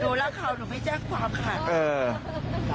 รักเขาหนูไม่แจ้งความค่ะ